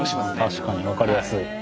確かに分かりやすい。